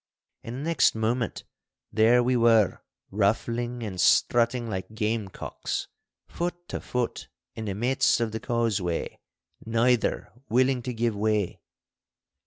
And the next moment there we were, ruffling and strutting like gamecocks, foot to foot in the midst of the causeway, neither willing to give way.